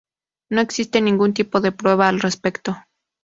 No existe ningún tipo de prueba al respecto.